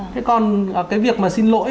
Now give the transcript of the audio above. thế còn cái việc mà xin lỗi